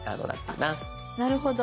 なるほど。